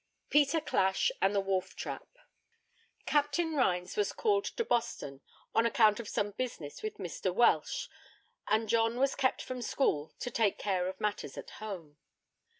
PETER CLASH AND THE WOLF TRAP. Captain Rhines was called to Boston on account of some business with Mr. Welch, and John was kept from school to take care of matters at home.